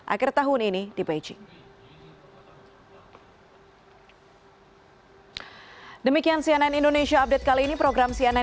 akhir tahun ini di beijing